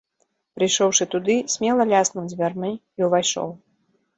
Прыйшоўшы туды, смела ляснуў дзвярмі і ўвайшоў.